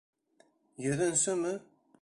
Йөҙөнсөмө?